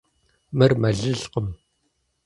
Мыр мэлылкъым.